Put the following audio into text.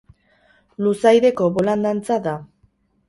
Luzaideko bolant-dantza da.